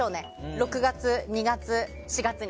６月、２月、４月に。